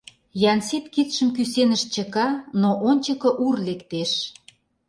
Янсит кидшым кӱсеныш чыка, но ончыко Ур лектеш.